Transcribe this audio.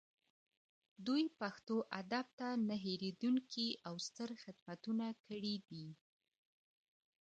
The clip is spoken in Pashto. دوی پښتو ادب ته نه هیریدونکي او ستر خدمتونه کړي دي